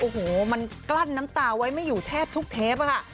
โอ้โหมันกลั้นน้ำตาไว้ไม่อยู่แทบทุกเทปค่ะ